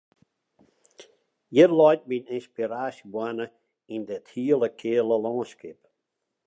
Hjir leit myn ynspiraasjeboarne, yn dit hele keale lânskip.